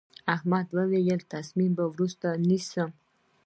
احمد وويل: تصمیم به وروسته نیسم.